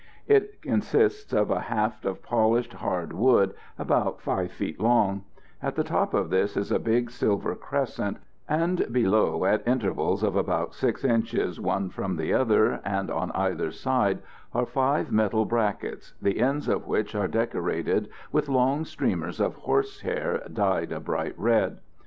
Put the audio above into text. It consists of a haft of polished hard wood about 5 feet long; at the top of this is a big silver crescent, and below, at intervals of about 6 inches one from the other, and on either side are five metal brackets, the ends of which are decorated with long streamers of horse hair dyed a bright red.